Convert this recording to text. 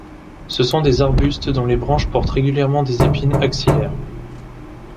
Ce sont des arbustes dont les branches portent régulièrement des épines axillaires.